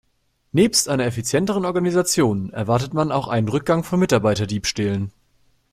Nebst einer effizienteren Organisation erwartet man auch einen Rückgang von Mitarbeiterdiebstählen.